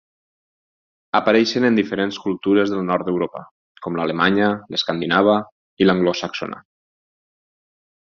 Apareixen en diferents cultures del nord d'Europa, com l'alemanya, l'escandinava i l'anglosaxona.